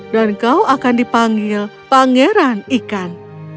dan kau akan dipanggil pangeran ikan